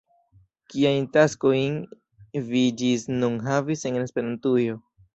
Kiajn taskojn vi ĝis nun havis en Esperantujo?